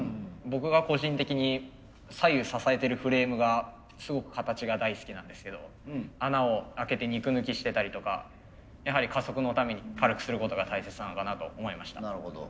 僕が個人的に左右支えてるフレームがすごく形が大好きなんですけど穴を開けて肉抜きしてたりとかやはり加速のために軽くすることが大切なのかなと思いました。